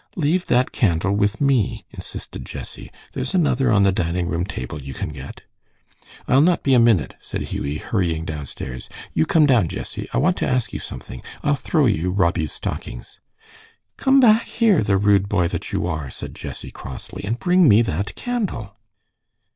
"Leave that candle with me," insisted Jessie. "There's another on the dining room table you can get." "I'll not be a minute," said Hughie, hurrying downstairs. "You come down, Jessie, I want to ask you something. I'll throw you Robbie's stockings." "Come back here, the rude boy that you are," said Jessie, crossly, "and bring me that candle."